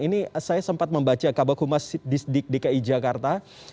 ini saya sempat membaca kabar kumas di dki jakarta